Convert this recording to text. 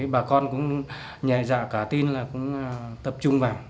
bà con cũng nhẹ dạ cả tin là cũng tập trung vào